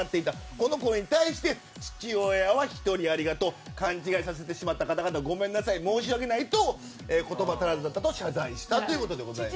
この声に対して父親は１人、ありがとうと勘違いさせてしまった方申し訳ないと言葉足らずだったと謝罪したということです。